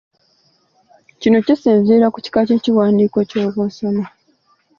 Kino kisinziira ku kika ky'ekiwandiiko ky'oba osoma.